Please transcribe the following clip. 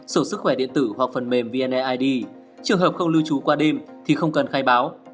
sổ sức khỏe điện tử hoặc phần mềm vneid trường hợp không lưu trú qua đêm thì không cần khai báo